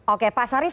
oke pak syarif